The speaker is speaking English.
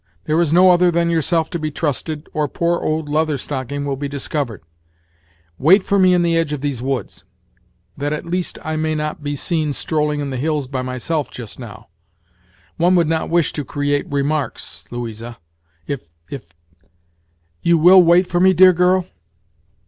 There is no other than yourself to be trusted, or poor old Leather Stocking will be discovered. Wait for me in the edge of these woods, that at least I may not be seen strolling in the hills by myself just now, One would not wish to create remarks, Louisa if if You will wait for me, dear girl?"